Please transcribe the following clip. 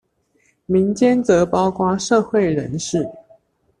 民間則包括社會人士